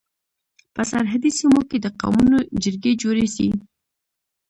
په سرحدي سيمو کي د قومونو جرګي جوړي سي.